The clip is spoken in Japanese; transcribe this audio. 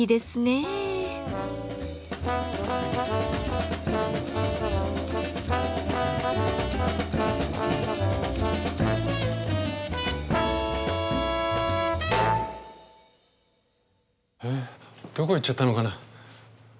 えどこ行っちゃったのかな。